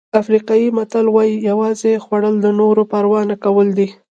افریقایي متل وایي یوازې خوړل د نورو پروا نه کول دي.